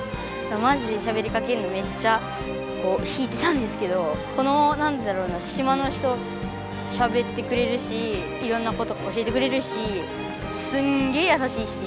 マジでしゃべりかけるのめっちゃ引いてたんですけどこのなんだろうな島の人しゃべってくれるしいろんなこと教えてくれるしすんげぇやさしいし。